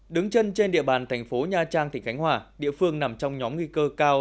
đứng chân trên địa bàn thành phố nha trang tỉnh khánh hòa địa phương nằm trong nhóm nguy cơ cao